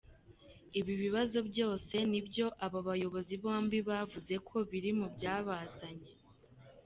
Ibi bibazo byose ni byo aba bayobozi bombi bavuzeko biri mu byabazanye.